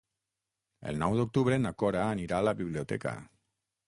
El nou d'octubre na Cora anirà a la biblioteca.